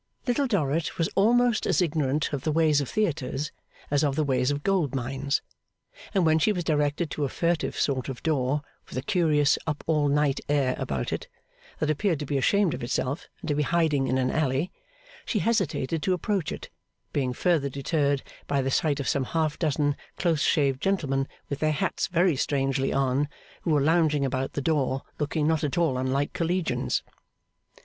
Little Dorrit was almost as ignorant of the ways of theatres as of the ways of gold mines, and when she was directed to a furtive sort of door, with a curious up all night air about it, that appeared to be ashamed of itself and to be hiding in an alley, she hesitated to approach it; being further deterred by the sight of some half dozen close shaved gentlemen with their hats very strangely on, who were lounging about the door, looking not at all unlike Collegians.